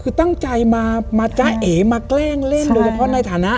คือตั้งใจมาจ้าเอ๋มาแกล้งเล่นโดยเฉพาะในฐานะ